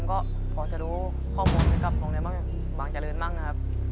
ก็พอจะรู้ข้อมูลให้กับโรงเรียนบางเจริญบ้างนะครับ